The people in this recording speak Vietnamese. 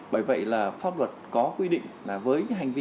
bởi vậy là pháp luật có quy định là với hành vi